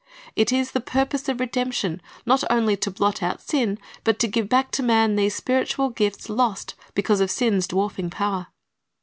It is the purpose of redemption, not only to blot out sin, but to give back to man those spiritual gifts lost because of sin's dwarfing power.